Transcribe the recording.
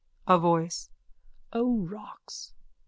A VOICE: O rocks.